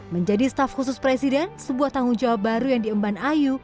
menjadi staf khusus presiden sebuah tanggung jawab baru yang diemban ayu